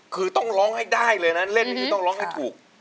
คือต้องร้องให้ได้เลยนะเล่นนี่คือต้องร้องให้ถูก